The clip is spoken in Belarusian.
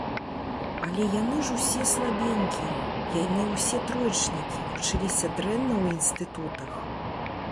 Але яны ж усе слабенькія, яны ўсе троечнікі, вучыліся дрэнна ў інстытутах.